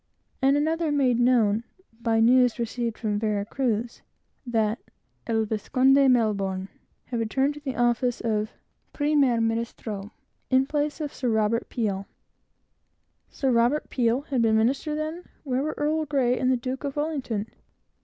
and another made known, by news received from Vera Cruz, that "El Vizconde Melbourne" had returned to the office of "primer ministro," in place of Sir Roberto Peel. (Sir Robert Peel had been minister, then? and where were Earl Grey and the Duke of Wellington?)